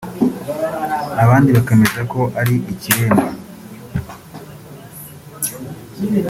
abandi bakemeza ko ari ikiremba